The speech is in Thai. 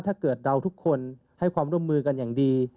ถ้าเกิดเราทุกคนให้ความร่วมมือกันอย่างดี